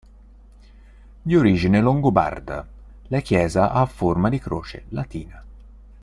Di origine longobarda, la chiesa ha forma di croce latina.